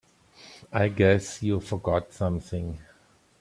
I guess you forgot something.